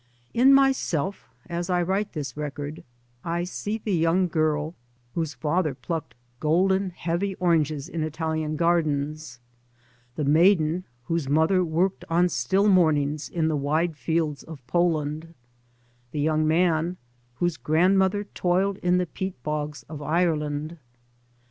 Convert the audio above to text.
In myself, as I write this record, I see the young girl whose father plucked golden heavy oranges in Italian gardens, the maiden whose mother worked on still mornings in the wide fields of Poland, the young man whose grandmother toiled in the peat bogs of Ireland.